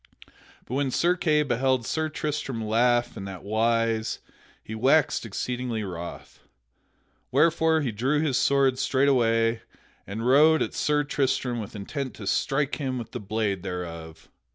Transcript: But when Sir Kay beheld Sir Tristram laugh in that wise, he waxed exceedingly wroth. Wherefore he drew his sword straightway, and rode at Sir Tristram with intent to strike him with the blade thereof.